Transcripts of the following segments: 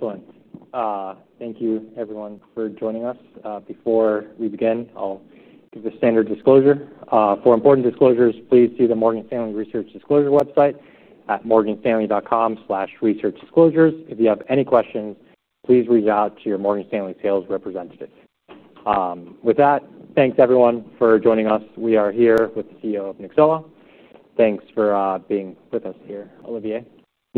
Excellent. Thank you, everyone, for joining us. Before we begin, I'll give the standard disclosure. For important disclosures, please see the Morgan Stanley Research Disclosure website at morganstanley.com/researchdisclosures. If you have any questions, please reach out to your Morgan Stanley sales representative. With that, thanks, everyone, for joining us. We are here with the CEO of Nyxoah. Thanks for being with us here, Olivier.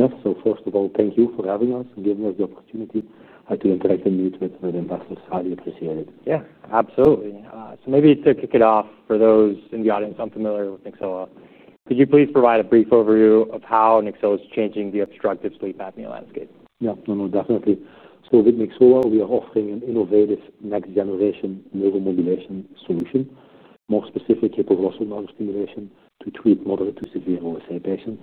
First of all, thank you for having us and giving us the opportunity. I think it's great to meet with you and have you appreciate it. Yeah, absolutely. Maybe to kick it off, for those in the audience unfamiliar with Nyxoah, could you please provide a brief overview of how Nyxoah is changing the obstructive sleep apnea landscape? No, no, definitely. With Nyxoah, we are offering an innovative next-generation neuromodulation solution, more specifically hypoglossal nerve stimulation to treat moderate to severe OSA patients.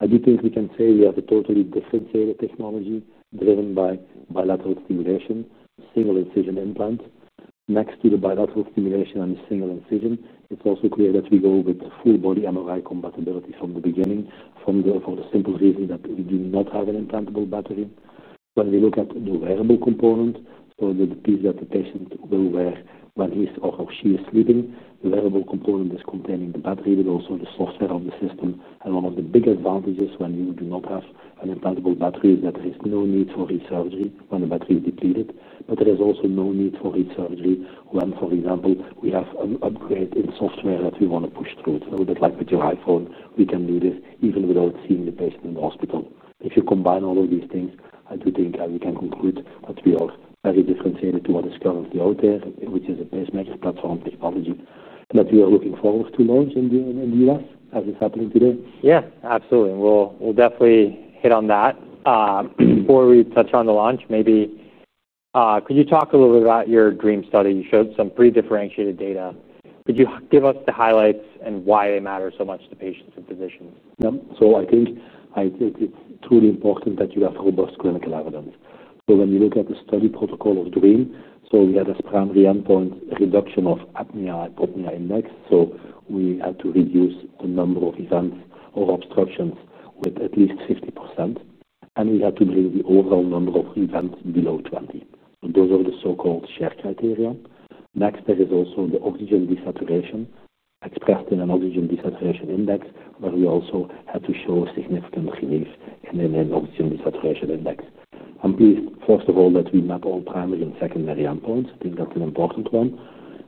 I do think we can say we have a totally differentiated technology driven by bilateral stimulation, single-incision implants. Next to the bilateral stimulation and single incision, it's also clear that we go with full body MRI compatibility from the beginning for the simple reason that we do not have an implantable battery. When we look at the wearable component, the piece that the patient will wear when he or she is sleeping, the wearable component is containing the battery, but also the software of the system. One of the big advantages when you do not have an implantable battery is that there is no need for re-surgery when the battery is depleted. There is also no need for re-surgery when, for example, we have an upgrade in software that we want to push through. That's like with your iPhone. We can do this even without seeing the patient in the hospital. If you combine all of these things, I do think we can conclude that we are very differentiated to what is currently out there, which is a pacemaker platform technology that we are looking forward to launch in the U.S. as it's happening today. Absolutely. We'll definitely hit on that. Before we touch on the launch, maybe could you talk a little bit about your DREAM pivotal study? You showed some pretty differentiated data. Could you give us the highlights and why they matter so much to patients and physicians? Yeah. I think it's truly important that you have robust clinical evidence. When we look at the study protocol of DREAM, we had as primary endpoint a reduction of apnea-hypopnea index. We had to reduce the number of events or obstructions with at least 50%, and we had to bring the overall number of events below 20. Those are the so-called shared criteria. Next, there is also the oxygen desaturation expressed in an oxygen desaturation index, but we also had to show a significant relief in an oxygen desaturation index. Please, first of all, that we map all primary and secondary endpoints. I think that's an important one.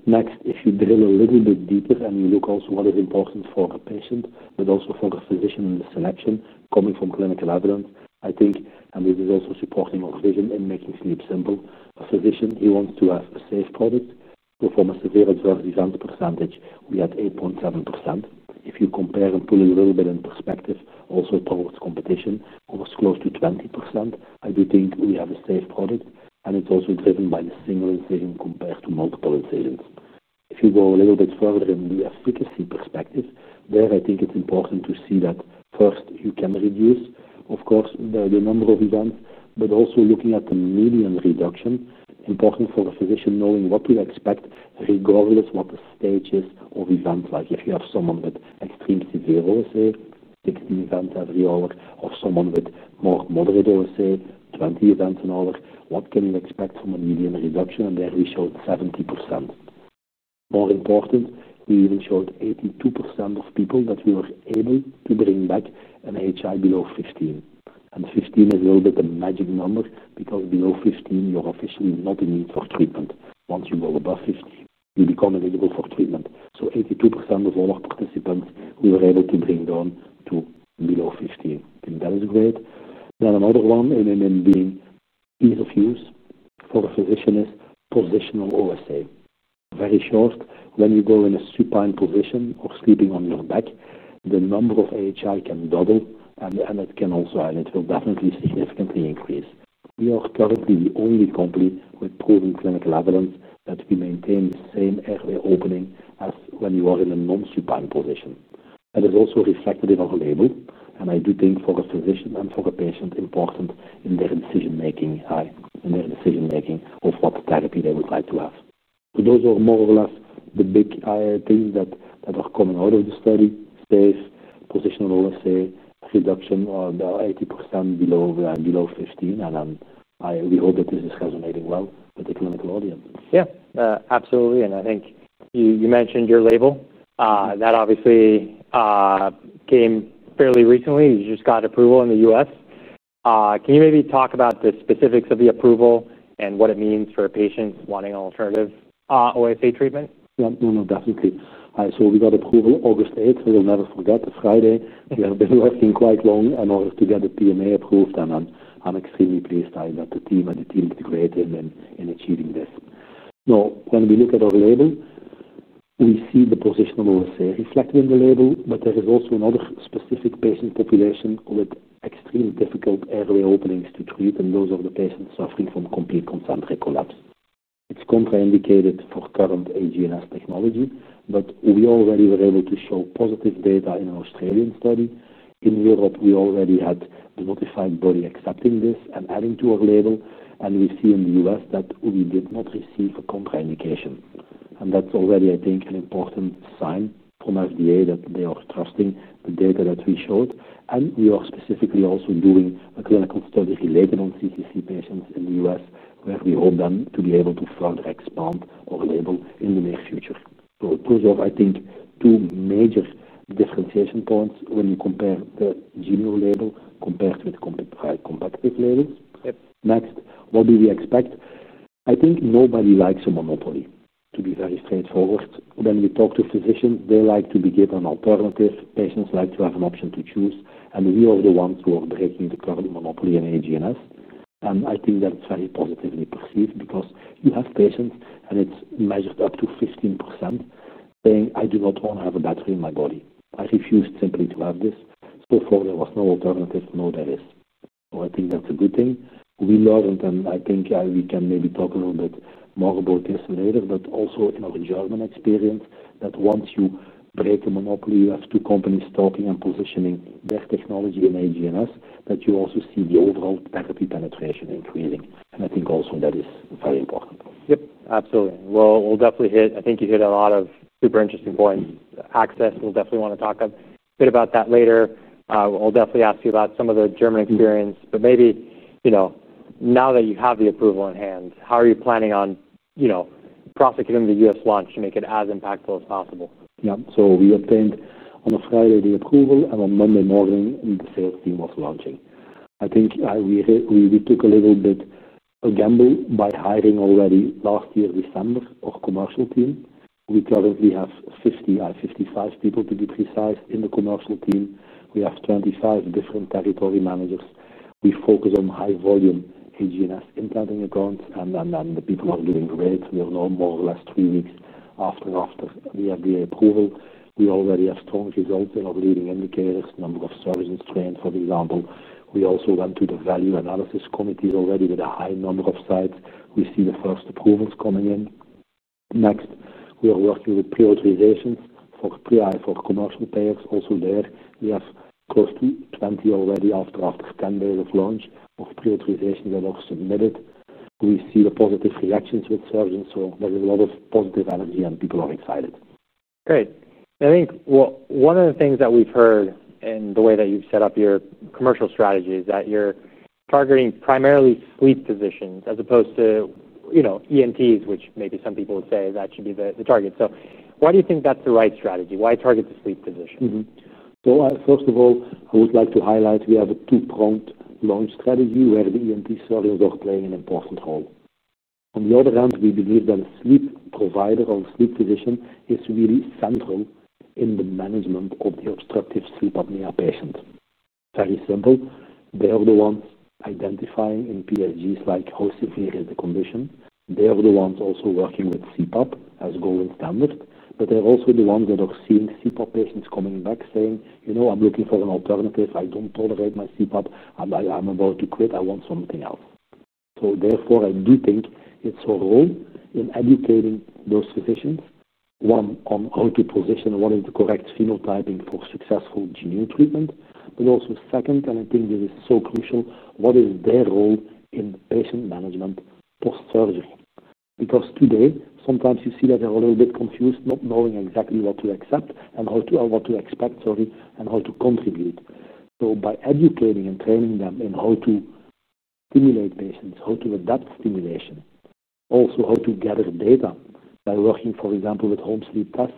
Next, if you drill a little bit deeper and you look also at what is important for a patient, but also for the physician in the selection coming from clinical evidence, I think, and this is also supporting our vision in making sleep simple, a physician, he wants to have a safe product. From a severe obstructive event percentage, we had 8.7%. If you compare and put it a little bit in perspective, also towards competition, it was close to 20%. I do think we have a safe product, and it's also driven by the single incision compared to multiple incisions. If you go a little bit further in the efficacy perspective, I think it's important to see that first, you can reduce, of course, the number of events, but also looking at the median reduction, important for a physician knowing what to expect regardless of what the stage is of events. Like if you have someone with extreme severe OSA, 15 events every hour, or someone with more moderate OSA, 20 events an hour, what can you expect from a median reduction? There we showed 70%. More important, we even showed 82% of people that we were able to bring back an AHI below 15. Fifteen is a little bit of a magic number because below 15, you're officially not in need for treatment. Once you go above 15, you become eligible for treatment. So 82% of all our participants, we were able to bring down to below 15. I think that is great. Another one in being ease of use for a physician is positional OSA. Very short, when you go in a supine position or sleeping on your back, the number of AHI can double, and it can also, and it will definitely significantly increase. We are currently the only company with proven clinical evidence that we maintain the same airway opening as when you are in a non-supine position. That is also reflected in our label. I do think for a physician and for a patient, it's important in their decision-making of what therapy they would like to have. Those are more or less the big things that are coming out of the study: space, positional OSA, reduction of 80% below 15, and we hope that this is resonating well with the clinical audience. Yeah, absolutely. I think you mentioned your label. That obviously came fairly recently. You just got approval in the U.S. Can you maybe talk about the specifics of the approval and what it means for a patient wanting an alternative OSA treatment? Yeah. No, no, definitely. We got approval August 8th. We will never forget the Friday. We have been working quite long in order to get the PMA approved, and I'm extremely pleased that the team and the team is great in achieving this. Now, when we look at our label, we see the positional OSA reflected in the label, but there is also another specific patient population with extreme difficult airway openings to treat, and those are the patients suffering from complete concentric collapse. It's contraindicated for current AGNS technology, but we already were able to show positive data in our Australian study. In Europe, we already had the notified body accepting this and adding to our label, and we see in the U.S. that we did not receive a contraindication. That's already, I think, an important sign from FDA that they are trusting the data that we showed. We are specifically also doing a clinical study related on CCC patients in the U.S., where we hope then to be able to further expand our label in the near future. Those are, I think, two major differentiation points when you compare the GeniO label compared to the compact PEP labels. Next, what do we expect? I think nobody likes a monopoly, to be very straightforward. When you talk to physicians, they like to be given an alternative. Patients like to have an option to choose, and we are the ones who are breaking the current monopoly in AGNS. I think that's very positively perceived because we have patients, and it's measured up to 15%, saying, "I do not want to have a battery in my body. I refuse simply to have this." So far, there was no alternative. Now there is. I think that's a good thing. We learned, and I think we can maybe talk a little bit more about this later, but also in our German experience, that once you break a monopoly, you have two companies stopping and positioning their technology in AGNS, that you also see the overall therapy penetration increasing. I think also that is very important. Absolutely. I think you hear a lot of super interesting points. Access, we'll definitely want to talk a bit about that later. We'll definitely ask you about some of the German experience. Maybe, now that you have the approval in hand, how are you planning on prosecuting the U.S. launch to make it as impactful as possible? Yeah. We obtained, on a Friday, the approval, and on Monday morning, the sales team was launching. I think we took a little bit of a gamble by hiring already last year, December, our commercial team. We currently have 50, 55 people, to be precise, in the commercial team. We have 25 different territory managers. We focus on high-volume AGNS implanting accounts, and the people are doing great. We are now more or less three weeks after the FDA approval. We already have strong results in our leading indicators, number of surgeons trained, for example. We also went to the value analysis committees already with a high number of sites. We see the first approvals coming in. Next, we are working with preauthorizations for commercial payers. Also there, we have close to 20 already after our 10 days of launch of preauthorizations that are submitted. We see the positive reactions with surgeons. There is a lot of positive energy, and people are excited. Great. I think one of the things that we've heard in the way that you've set up your commercial strategy is that you're targeting primarily sleep physicians as opposed to, you know, ENT surgeons, which maybe some people would say that should be the target. Why do you think that's the right strategy? Why target the sleep physicians? First of all, I would like to highlight we have a two-pronged launch strategy where the ENT surgeons are playing an important role. On the other hand, we believe that a sleep provider or a sleep physician is really central in the management of the obstructive sleep apnea patients. Very simple. They are the ones identifying in PSGs like how severe is the condition. They are the ones also working with CPAP as a gold standard. They're also the ones that are seeing CPAP patients coming back saying, "You know, I'm looking for an alternative. I don't tolerate my CPAP. I'm about to quit. I want something else." Therefore, I do think it's our role in educating those physicians, one, on how to position and what is the correct phenotyping for successful GeniO treatments. Also, second, and I think this is so crucial, what is their role in patient management post-surgery? Because today, sometimes you see that they're a little bit confused, not knowing exactly what to accept and what to expect, and how to contribute. By educating and training them in how to stimulate patients, how to adapt stimulation, also how to gather data by working, for example, with home sleep tests,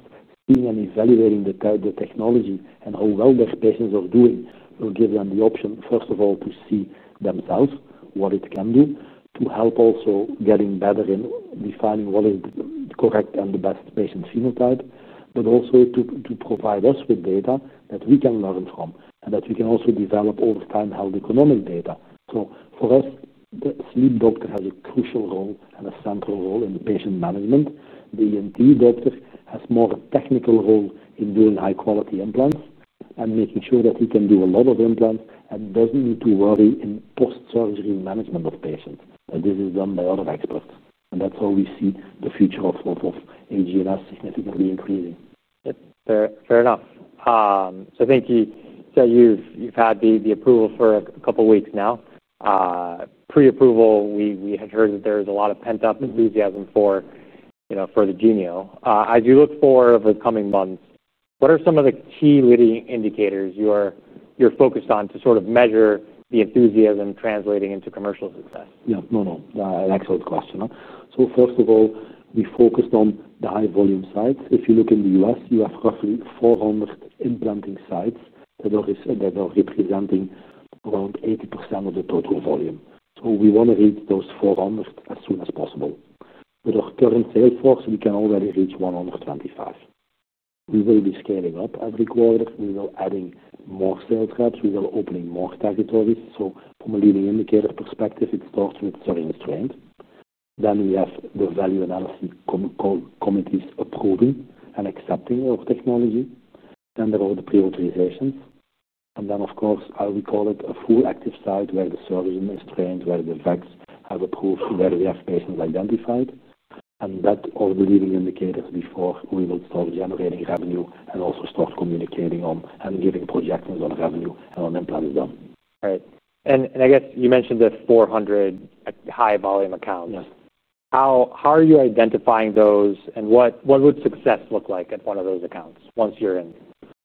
seeing and evaluating the technology and how well their patients are doing, will give them the option, first of all, to see themselves what it can do, to help also getting better in defining what is the correct and the best patient phenotype, but also to provide us with data that we can learn from and that we can also develop all the time health economic data. For us, the sleep doctor has a crucial role and a central role in the patient management. The ENT doctor has more of a technical role in doing high-quality implants and making sure that he can do a lot of implants and doesn't need to worry in post-surgery management of patients. This is done by a lot of experts. That's how we see the future of AGNS significantly increasing. Yeah, fair enough. I think you said you've had the approval for a couple of weeks now. Pre-approval, we had heard that there's a lot of pent-up enthusiasm for, you know, for the Genio. As you look forward over the coming months, what are some of the key leading indicators you're focused on to sort of measure the enthusiasm translating into commercial success? Excellent question. First of all, we focused on the high-volume sites. If you look in the U.S., you have roughly 400 implanting sites that are representing around 80% of the total volume. We want to reach those 400 as soon as possible. With our current sales force, we can already reach 125. We will be scaling up every quarter. We will be adding more sales reps. We will be opening more territories. From a leading indicator perspective, it starts with surgeons trained. Then we have the value analysis committees approving and accepting our technology. There are the preauthorizations. Of course, as we call it, a full active site where the surgeon is trained, where the V.A.C.s have approved, that we have patients identified. Those are the leading indicators before we will start generating revenue and also start communicating on and giving projections on revenue and on implant is done. All right. I guess you mentioned the 400 at high-volume accounts. Yes, how are you identifying those, and what would success look like at one of those accounts once you're in?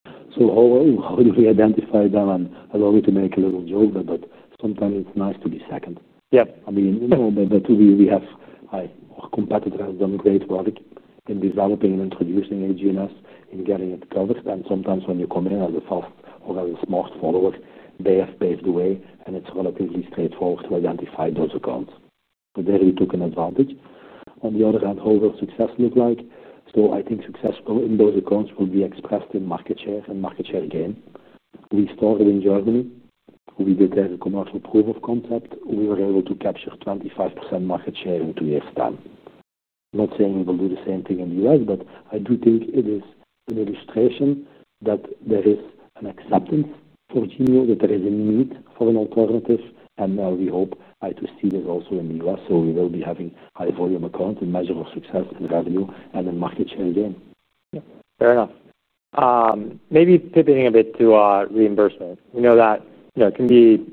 How do we identify them? Allow me to make a little joke, but sometimes it's nice to be second. I mean, we have our competitors done a great product in developing and introducing AGNS in getting it covered. Sometimes when you come in as a fellow or as a smart follower, they have paved the way, and it's relatively straightforward to identify those accounts. There we took an advantage. On the other hand, how will success look like? I think success in those accounts will be expressed in market share and market share gain. We started in Germany. We did a commercial proof of concept. We were able to capture 25% market share in two years' time. Not saying we'll do the same thing in the U.S., but I do think it is an illustration that there is an acceptance of GeniO, that there is a need for an alternative. Now we hope to see that also in the U.S. We will be having high-volume accounts and measure our success in revenue and in market share gain. Yeah, fair enough. Maybe pivoting a bit to reimbursement. We know that it can be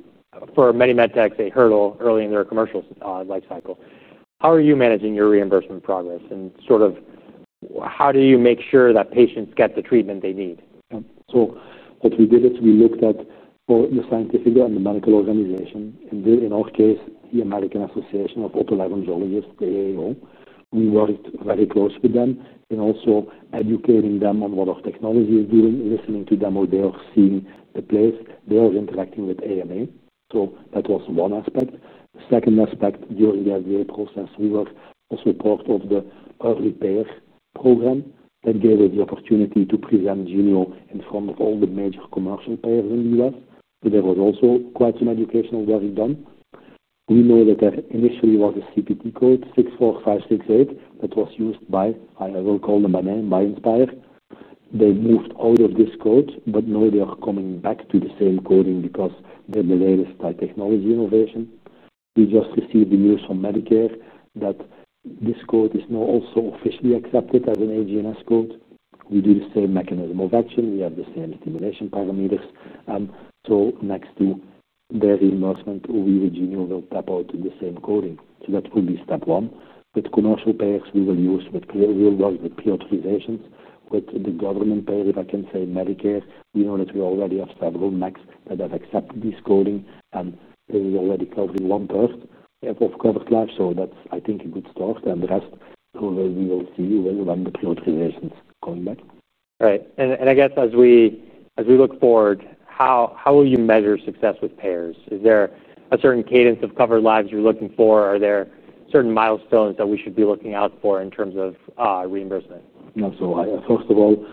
for many med techs a hurdle early in their commercial lifecycle. How are you managing your reimbursement progress, and sort of how do you make sure that patients get the treatment they need? Yeah. What we did is we looked at both the scientific and the medical organization. In our case, the American Association of Otolaryngologists, AAO. We worked very closely with them in also educating them on what our technology is doing, listening to them where they are seeing the place, they are interacting with AMA. That was one aspect. The second aspect, during the FDA process, we were also part of the early payers program that gave us the opportunity to present GeniO in front of all the major commercial payers in the U.S. There was also quite an educational work done. We know that there initially was a CPT code, 64568, that was used by, I will call them by name, AGNS. They moved out of this code, but now they are coming back to the same coding because they're the latest high-technology innovation. We just received the news from Medicare that this code is now also officially accepted as an AGNS code. You do the same mechanism of action. You have the same stimulation parameters. Next to their reimbursement, we at GeniO will tap out to the same coding. That would be step one. With commercial payers, we will work with preauthorizations. With the government payers, if I can say Medicare, we know that we already have several MACs that have accepted this coding, and we already covered one person. We have both covered lives, so that's, I think, a good start. The rest, however, we will see when the preauthorizations are coming back. All right. As we look forward, how will you measure success with payers? Is there a certain cadence of covered lives you're looking for? Are there certain milestones that we should be looking out for in terms of reimbursement? First of all,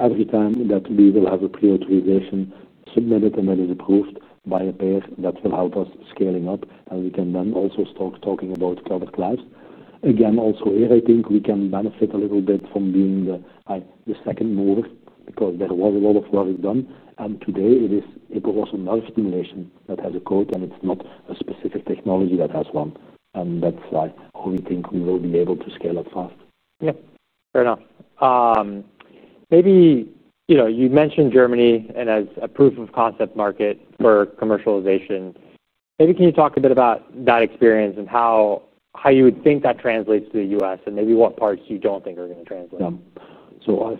every time that we have a preauthorization submitted and that is approved by a payer, that will help us scaling up, and we can then also start talking about covered lives. I think we can benefit a little bit from being the second mover because there was a lot of work done, and today it is hypoglossal nerve stimulation that has a code, and it's not a specific technology that has one. That's why we think we will be able to scale up fast. Yeah. Fair enough. Maybe, you know, you mentioned Germany as a proof of concept market for commercialization. Maybe can you talk a bit about that experience and how you would think that translates to the U.S. and maybe what parts you don't think are going to translate? Yeah.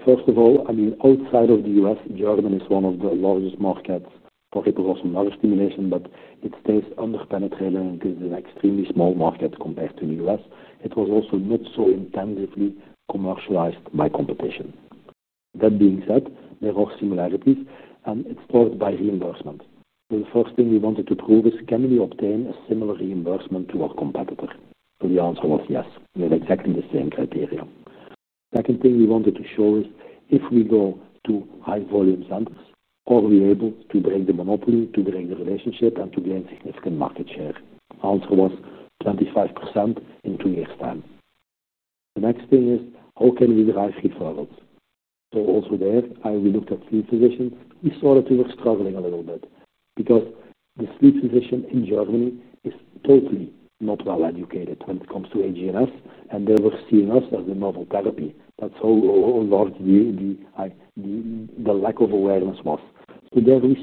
First of all, outside of the U.S., Germany is one of the largest markets for hypoglossal nerve stimulation, but it stays underpenetrated and is an extremely small market compared to the U.S. It was also not so intensively commercialized by competition. That being said, there are similarities, and it started by reimbursement. The first thing we wanted to prove is, can we obtain a similar reimbursement to our competitor? The answer was yes. We had exactly the same criteria. The second thing we wanted to show is, if we go to high-volume centers, are we able to break the monopoly, to break the relationship, and to gain significant market share? The answer was 25% in two years' time. The next thing is, how can we drive it forward? Also there, we looked at sleep physicians. We saw that we were struggling a little bit because the sleep physician in Germany is totally not well-educated when it comes to AGNS, and they were seeing us as the novel therapy. That's how the lack of awareness was. We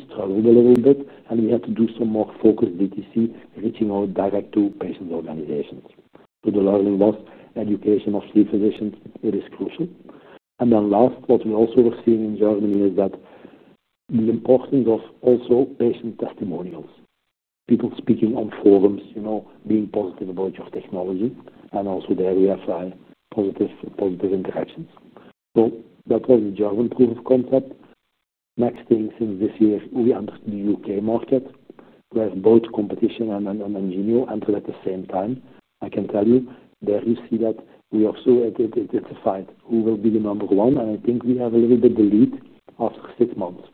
struggled a little bit, and we had to do some more focused DTC, reaching out direct to patient organizations. The learning was education of sleep physicians. It is crucial. Last, what we also were seeing in Germany is that the importance of also patient testimonials, people speaking on forums, being positive about your technology, and also there you have positive interactions. That was the German proof of concept. Next thing, since this year, we entered the UK market where both competition and GeniO entered at the same time. I can tell you, there you see that we are so identified who will be the number one, and I think we have a little bit of the lead after six months.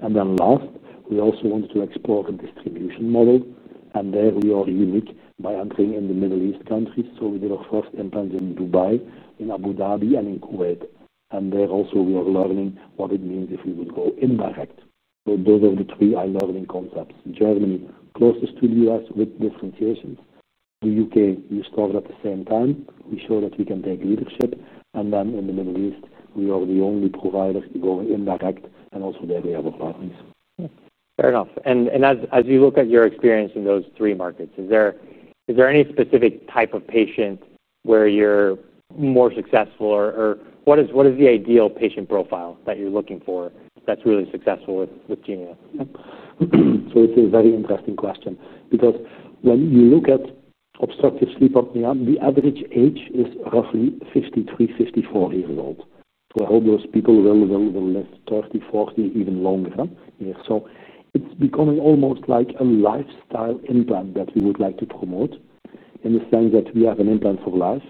Last, we also wanted to explore the distribution model, and there we are unique by entering in the Middle East countries. We did our first implants in Dubai, in Abu Dhabi, and in Kuwait. There also, we are learning what it means if we would go indirect. Those are the three eye-learning concepts. Germany, closest to the U.S. with differentiation. The UK, you start at the same time. You show that we can take leadership. In the Middle East, we are the only provider going indirect, and also there we have our partners. Fair enough. As we look at your experience in those three markets, is there any specific type of patient where you're more successful, or what is the ideal patient profile that you're looking for that's really successful with GeniO? It's a very interesting question because when you look at obstructive sleep apnea, the average age is roughly 53, 54 years old. I hope those people will live 30, 40, even longer than that. It's becoming almost like a lifestyle implant that we would like to promote in the sense that we have an implant for life,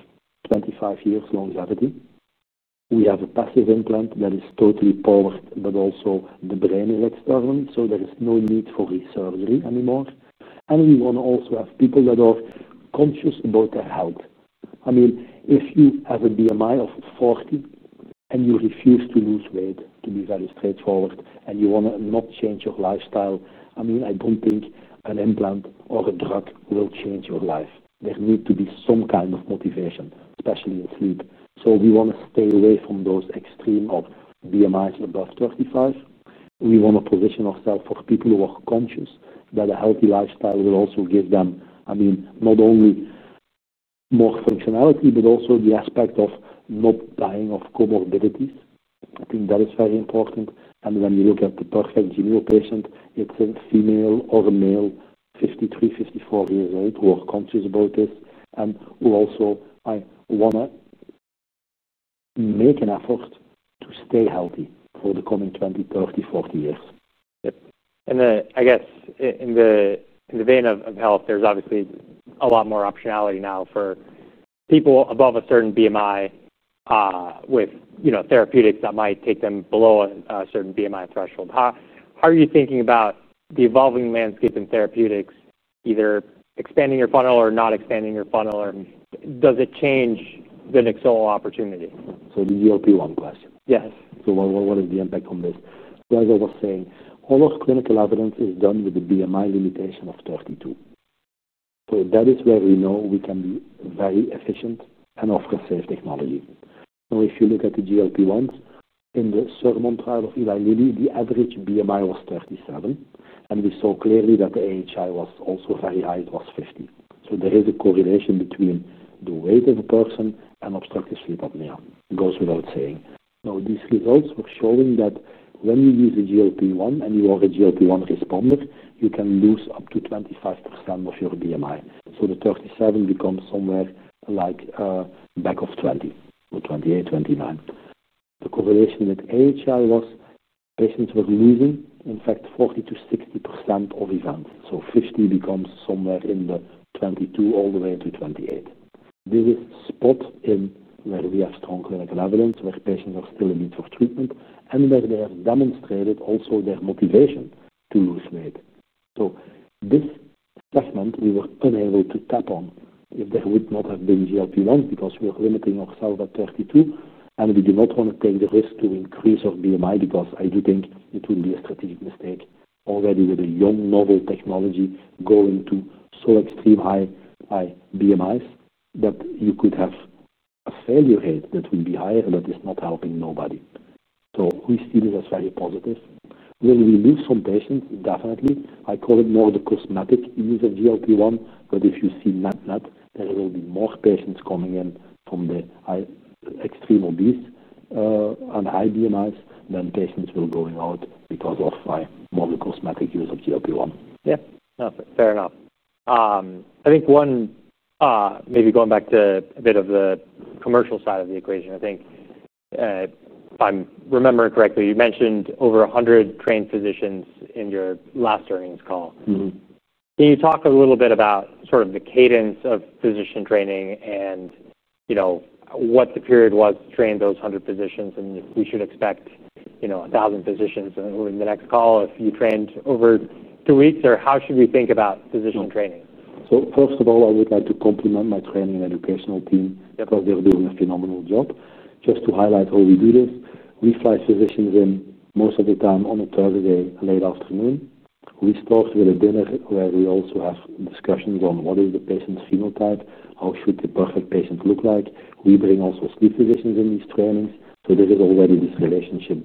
25 years longevity. We have a passive implant that is totally powered, but also the brain is external, so there is no need for resurgery anymore. We want to also have people that are conscious about their health. I mean, if you have a BMI of 40 and you refuse to lose weight, to be very straightforward, and you want to not change your lifestyle, I don't think an implant or a drug will change your life. There needs to be some kind of motivation, especially in sleep. We want to stay away from those extreme BMIs above 35. We want to position ourselves for people who are conscious that a healthy lifestyle will also give them, I mean, not only more functionality, but also the aspect of not dying of comorbidities. I think that is very important. When you look at the perfect GeniO patient, it's a female or a male, 53, 54 years old, who are conscious about this, and who also want to make an effort to stay healthy for the coming 20, 30, 40 years. In the vein of health, there's obviously a lot more optionality now for people above a certain BMI, with therapeutics that might take them below a certain BMI threshold. How are you thinking about the evolving landscape in therapeutics, either expanding your funnel or not expanding your funnel, or does it change the Nyxoah opportunity? Could you repeat one question? Yes. What is the impact on this? Like I was saying, almost all clinical evidence is done with the BMI limitation of 32. That is where we know we can be very efficient and offer safe technology. Now, if you look at the GLP-1s, in the Surmont trial of Ivanili, the average BMI was 37, and we saw clearly that the AHI was also very high. It was 50. There is a correlation between the weight of a person and obstructive sleep apnea. Goes without saying. These results were showing that when you use the GLP-1 and you are a GLP-1 respondent, you can lose up to 25% of your BMI. The 37 becomes somewhere like a back of 28, 29. The correlation with AHI was patients were losing, in fact, 40% to 60% of events. So 50 becomes somewhere in the 22 all the way to 28. This is the spot where we have strong clinical evidence where patients are still in need for treatment, and where they have demonstrated also their motivation to lose weight. This segment, we were unable to tap on if there would not have been GLP-1s because we are limiting ourselves at 32, and we do not want to take the risk to increase our BMI because I do think it would be a strategic mistake already with a young novel technology going to so extreme high BMIs that you could have a failure rate that would be higher and that is not helping nobody. We see this as very positive. Will we lose some patients? Definitely. I call it more the cosmetic use of GLP-1, but if you see that, there will be more patients coming in from the extreme obese and high BMIs than patients who are going out because of more of the cosmetic use of GLP-1. Yeah. Fair enough. I think one, maybe going back to a bit of the commercial side of the equation, I think, if I'm remembering correctly, you mentioned over 100 trained physicians in your last earnings call. Can you talk a little bit about sort of the cadence of physician training and, you know, what the period was to train those 100 physicians and if we should expect, you know, 1,000 physicians in the next call if you trained over two weeks, or how should we think about physician training? First of all, I would like to compliment my training and educational team. I thought they're doing a phenomenal job. Just to highlight how we do this, we fly physicians in most of the time on a Thursday late afternoon. We start with a dinner where we also have discussions on what is the patient's phenotype, how should the perfect patient look like. We bring also sleep physicians in these trainings. There is already this relationship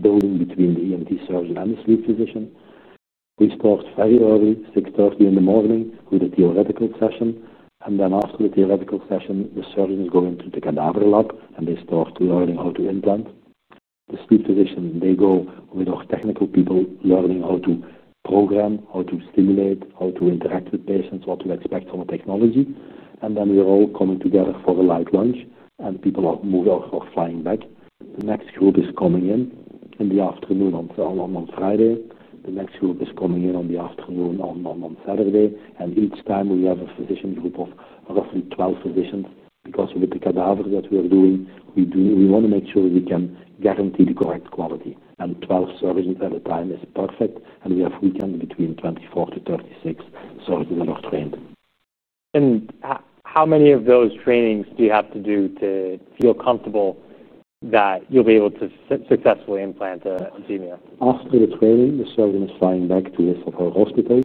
building between the ENT surgeon and the sleep physician. We start very early, 6:30 A.M., with a theoretical session. After the theoretical session, the surgeons go into the cadaver lab, and they start to learn how to implant. The sleep physicians go with our technical people learning how to program, how to stimulate, how to interact with patients, what to expect from a technology. We are all coming together for a light lunch, and people are moving or flying back. The next group is coming in in the afternoon on Friday. The next group is coming in on the afternoon on Saturday. Each time we have a physician group of roughly 12 physicians because with the cadaver that we are doing, we want to make sure we can guarantee the correct quality. Twelve surgeons at a time is perfect, and we have weekends between 24 to 36 surgeons that are trained. How many of those trainings do you have to do to feel comfortable that you'll be able to successfully implant a Genio? After the training, the surgeon is flying back to his or her hospital.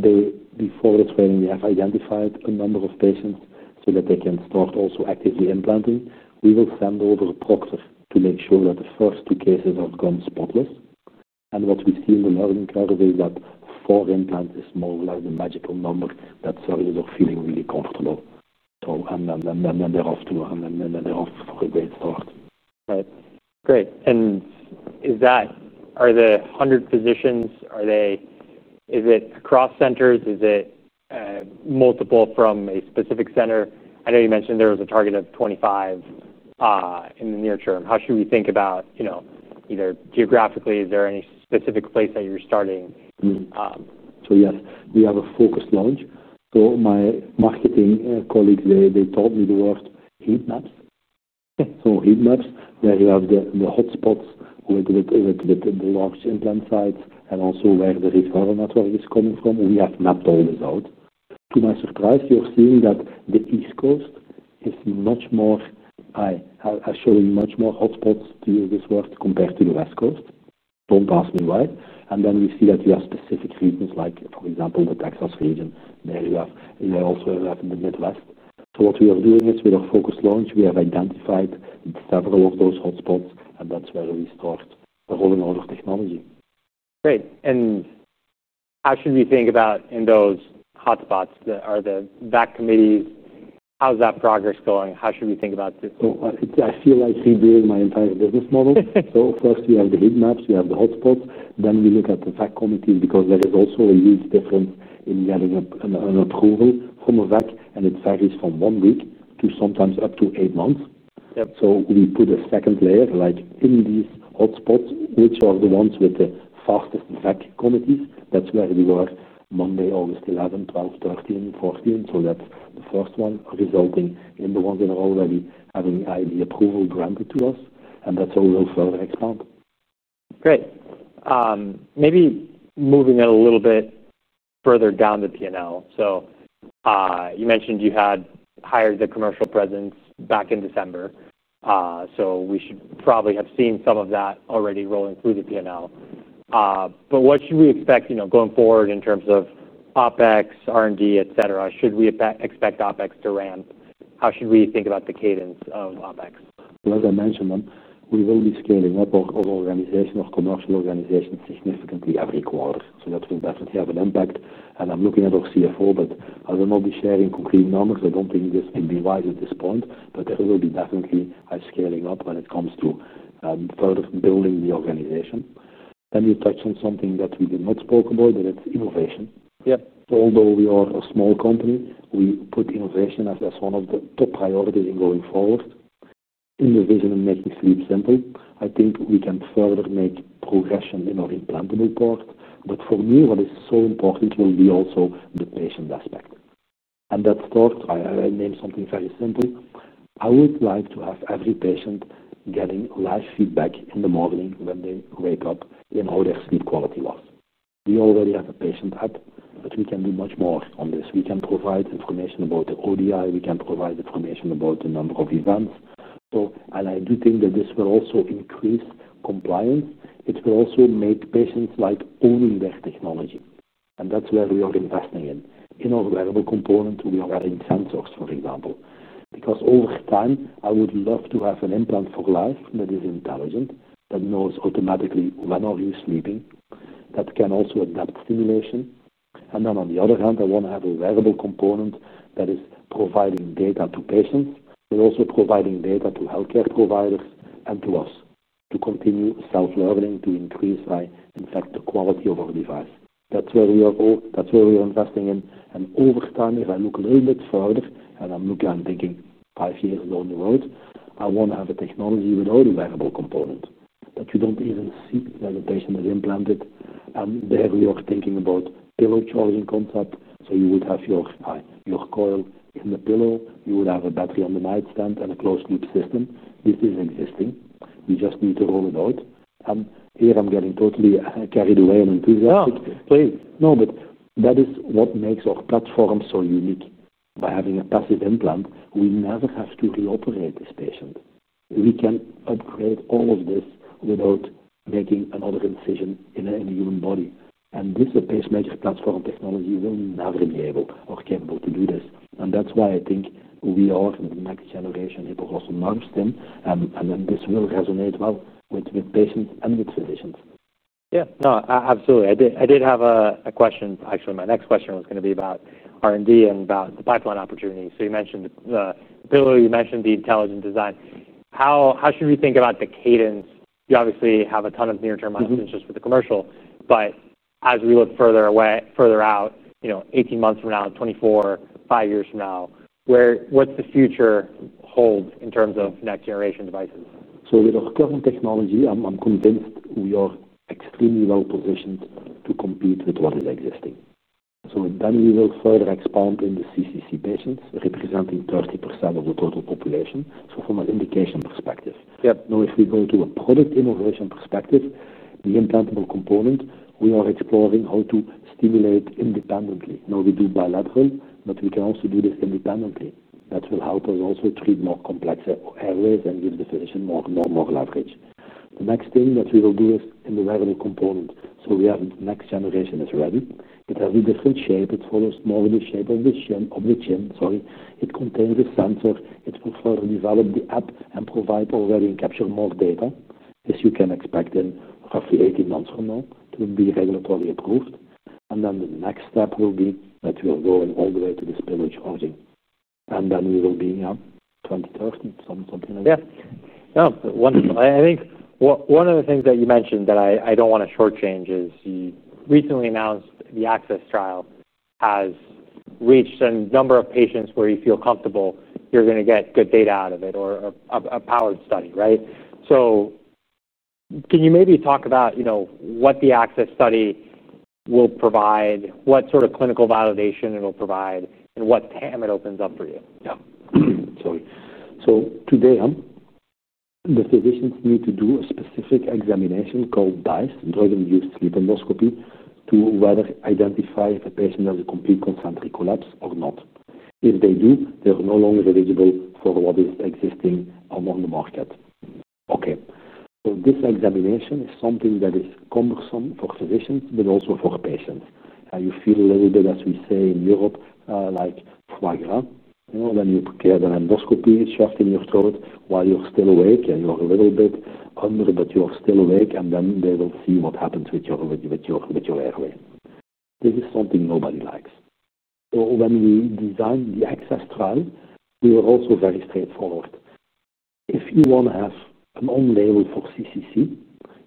Before the training, we have identified a number of patients so that they can start also actively implanting. We will send over a proctor to make sure that the first two cases are going to spot this. What we see in the learning curve is that four implants is more or less the magical number that surgeons are feeling really comfortable, and then they're off for a great start. Great. Are the 100 physicians, are they across centers? Is it multiple from a specific center? I know you mentioned there was a target of 25 in the near term. How should we think about, you know, either geographically, is there any specific place that you're starting? Yes, we have a focused launch. My marketing colleagues taught me the word heat maps. Heat maps, where you have the hotspots with the large implant sites and also where the referral network is coming from, and you have mapped all this out. To my surprise, you're seeing that the East Coast is showing much more hotspots, to use this word, compared to the West Coast. Don't ask me why. We see that we have specific regions, like, for example, the Texas region, and also the Midwest. What we are doing is with our focused launch, we have identified several of those hotspots, and that's where we start rolling out our technology. Great. How should we think about in those hotspots? Are the value analysis committees, how's that progress going? How should we think about it? I feel like rebuilding my entire business model. First, we have the heat maps, we have the hotspots. We look at the value analysis committee because there is also a huge difference in getting an approval from a value analysis committee, and it varies from one week to sometimes up to eight months. We put a second layer, like in these hotspots, which are the ones with the fastest value analysis committees. That's where we were Monday, August 11, 12, 13, 14. That's the first one resulting in the ones that are already having ID approval granted to us, and that's also further expanded. Great. Maybe moving it a little bit further down the P&L. You mentioned you had hired the commercial presence back in December, so we should probably have seen some of that already rolling through the P&L. What should we expect going forward in terms of OpEx, R&D, etc.? Should we expect OpEx to ramp? How should we think about the cadence of OpEx? As I mentioned, we will be scaling up our organization, our commercial organization, significantly every quarter. That will definitely have an impact. I'm looking at our CFO, but I will not be sharing complete numbers. I don't think this can be wide at this point, but there will definitely be a scaling up when it comes to further building the organization. Let me touch on something that we did not speak about, and it's innovation. Although we are a small company, we put innovation as one of the top priorities in going forward in the vision and making sleep simple. I think we can further make progression in our implantable part. For me, what is so important will be also the patient aspect. That starts, I name something very simple. I would like to have every patient getting live feedback in the morning when they wake up in how their sleep quality was. We already have a patient app, but we can do much more on this. We can provide information about the ODI. We can provide information about the number of events. I do think that this will also increase compliance. It will also make patients like owning their technology. That's where we are investing in. In our wearable component, we are wearing sensors, for example, because over time, I would love to have an implant for life that is intelligent, that knows automatically when you are sleeping, that can also adapt stimulation. On the other hand, I want to have a wearable component that is providing data to patients, but also providing data to healthcare providers and to us to continue self-learning, to increase, in fact, the quality of our device. That's where we are going. That's where we are investing in. Over time, if I look a little bit further, and I'm looking and thinking five years down the road, I want to have a technology without a wearable component that you don't even see that the patient is implanted. There we are thinking about pillow charging concept. You would have your coil in the pillow. You would have a battery on the nightstand and a closed loop system. This isn't existing. We just need to roll it out. Here I'm getting totally carried away on enthusiastics. No, but that is what makes our platform so unique. By having a passive implant, we never have to reoperate this patient. We can operate all of this without making another incision in any human body. This pacemaker platform technology will never enable or be able to do this. That is why I think we are in the next generation hypoglossal nerve stimulation, and this will resonate well with patients and with physicians. Absolutely. I did have a question. Actually, my next question was going to be about R&D and about the pipeline opportunities. You mentioned the pillow. You mentioned the intelligent design. How should we think about the cadence? You obviously have a ton of near-term opportunities with the commercial, but as we look further away, further out, you know, 18 months from now, 24, five years from now, what's the future hold in terms of next-generation devices? With our current technology, I'm convinced we are extremely well positioned to compete with what is existing. We will further expand in the CCC patients, representing 30% of the total population from an indication perspective. If we go to a product innovation perspective, the implantable component, we are exploring how to stimulate independently. Now, we do bilateral, but we can also do this independently. That will help us also treat more complex airways and give the patient more leverage. The next thing that we will be is in the wearable component. We have next generation is ready. It has a different shape. It follows more of the shape of the chin. It contains its sensor. It will further develop the app and provide already and capture more data, as you can expect in roughly 18 months from now. It will be regulatory approved. The next step will be that we are going all the way to this pillow charging. We will be in the 2030s, something like that. Yeah. One of the things that you mentioned that I don't want to shortchange is you recently announced the access trial has reached a number of patients where you feel comfortable you're going to get good data out of it or a powered study, right? Can you maybe talk about what the access study will provide, what sort of clinical validation it will provide, and what time it opens up for you? Yeah. Sorry. Today, the physicians need to do a specific examination called DIS, Drug-Induced Sleep Endoscopy, to rather identify if a patient has a complete concentric collapse or not. If they do, they are no longer eligible for what is existing on the market. This examination is something that is cumbersome for physicians but also for patients. You feel a little bit, as we say in Europe, like flagella. You prepare the endoscopy, shaft in your throat while you're still awake, and you're a little bit hungry, but you are still awake, and then they don't see what happens with your airway. This is something nobody likes. When we designed the access trial, we were also very straightforward. If you want to have an own label for CCC,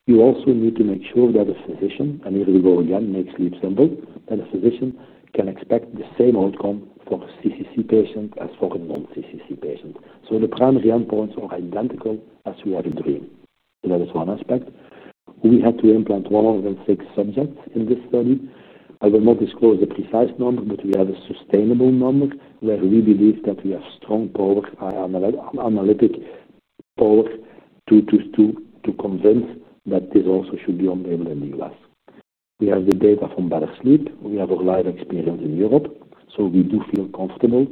you also need to make sure that a physician, and here we go again, make sleep simple, that a physician can expect the same outcome for a CCC patient as for a non-CCC patient. The primary endpoints are identical as we are doing. That is one aspect. We had to implant 106 subjects in this study. I will not disclose the precise number, but we have a sustainable number where we believe that we have strong power, analytic power to convince that this also should be on label in the U.S. We have the data from Better Sleep. We have a lot of experience in Europe. We do feel comfortable.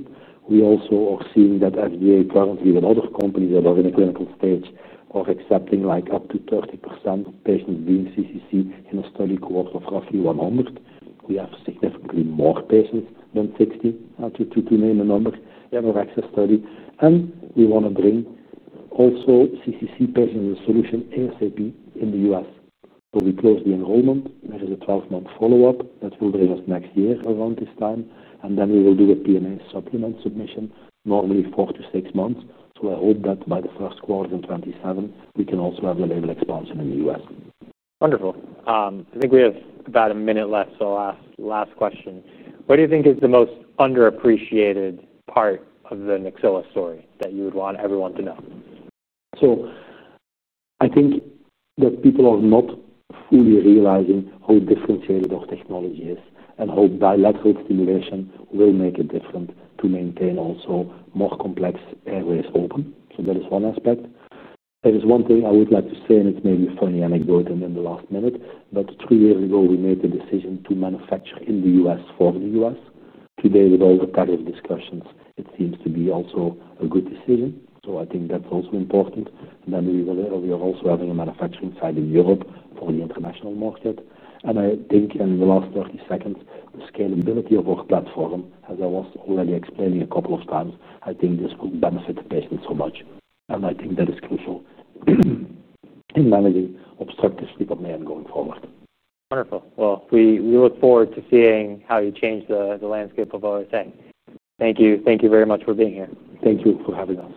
We also are seeing that FDA currently with other companies that are in a clinical stage are accepting like up to 30% patients being CCC in a study quote of roughly 100. We have significantly more patients than 60, to name a number, in our access study. We want to bring also CCC patients as a solution ASAP in the U.S. We close the enrollment. There is a 12-month follow-up that will bring us next year around this time. We will do a PMA supplement submission, normally four to six months. I hope that by the first quarter of 2027, we can also have the label expansion in the U.S. Wonderful. I think we have about a minute left, so last question. What do you think is the most underappreciated part of the Nyxoah story that you would want everyone to know? I think that people are not fully realizing how differentiated our technology is and how bilateral stimulation will make a difference to maintain also more complex airways open. That is one aspect. There is one thing I would like to say, and it's maybe a funny anecdote in the last minute, but three years ago, we made the decision to manufacture in the U.S. for the U.S. Today, with all the kind of discussions, it seems to be also a good decision. I think that's also important. We were earlier also having a manufacturing site in Europe for the international market. In the last 30 seconds, the scalability of our platform, as I was already explaining a couple of times, I think this could benefit patients so much. I think that is crucial in managing obstructive sleep apnea going forward. Wonderful. We look forward to seeing how you change the landscape of OSA. Thank you. Thank you very much for being here. Thank you for having us.